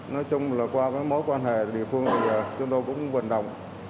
nói chung là qua mối quan hệ địa phương thì chúng tôi cũng vận động